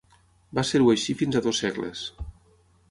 Va ser-ho així fins a dos segles.